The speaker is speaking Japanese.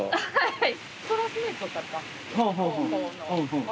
はい。